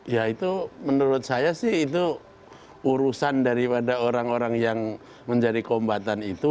ya itu menurut saya sih itu urusan daripada orang orang yang menjadi kombatan itu